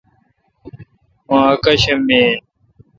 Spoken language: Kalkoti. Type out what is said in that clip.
می اکاشم می این۔